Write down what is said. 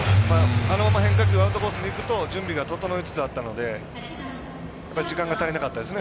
あのまま変化球アウトコースにいくと準備が整いつつあったので時間が足りなかったですね。